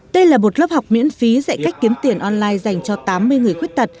đây là một lớp học miễn phí dạy cách kiếm tiền online dành cho tám mươi người khuyết tật